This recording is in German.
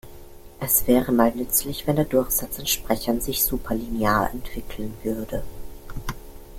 Es wäre mal nützlich, wenn der Durchsatz an Sprechern sich superlinear entwickeln würde.